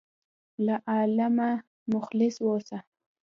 له علمه مخلص اوسه.